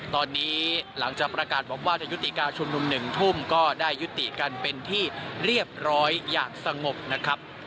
ตอนนี้หลังจากประกาศบอกว่าจะยุติการชุมนุม๑ทุ่มก็ได้ยุติกันเป็นที่เรียบร้อยอย่างสงบนะครับ